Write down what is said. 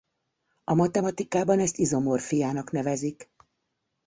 A matematikában ezt izomorfiának nevezik.